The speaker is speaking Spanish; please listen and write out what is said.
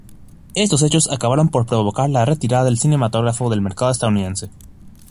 Estos hechos acabaron por provocar la retirada del cinematógrafo del mercado estadounidense.